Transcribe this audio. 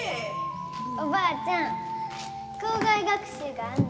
おばあちゃん校外学習があんねんて。